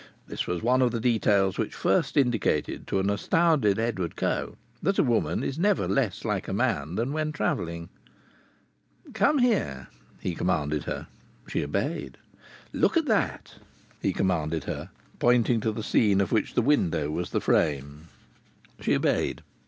This was one of the details which first indicated to an astounded Edward Coe that a woman is never less like a man than when travelling. "Come here," he commanded her. She obeyed. "Look at that," he commanded her, pointing to the scene of which the window was the frame. She obeyed.